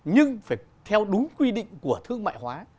nhưng phải theo đúng quy định của thương mại hóa